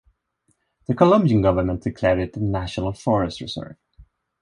The Colombian government declared it a National Forest Reserve.